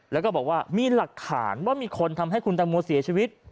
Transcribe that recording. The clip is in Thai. แล้วก็บอกว่ามีหลักฐานว่ามีคนทำให้คุณตังโมเสียชีวิต